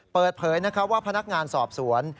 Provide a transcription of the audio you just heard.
เปิดเผยว่าพนักงานสอบสวน